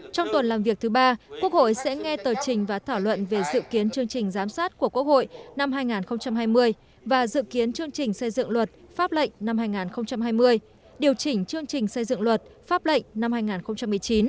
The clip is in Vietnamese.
trong tuần làm việc thứ ba quốc hội sẽ nghe tờ trình và thảo luận về dự kiến chương trình giám sát của quốc hội năm hai nghìn hai mươi và dự kiến chương trình xây dựng luật pháp lệnh năm hai nghìn hai mươi điều chỉnh chương trình xây dựng luật pháp lệnh năm hai nghìn một mươi chín